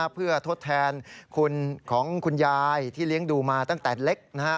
เพื่อทดแทนคุณของคุณยายที่เลี้ยงดูมาตั้งแต่เล็ก